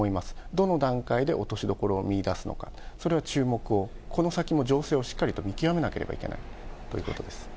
どの段階で落としどころを見いだすのか、それは注目を、この先も情勢をしっかりと見極めなければいけないということです。